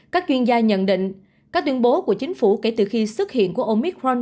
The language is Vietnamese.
các chuyên gia nhận định các tuyên bố của chính phủ kể từ khi xuất hiện của omicron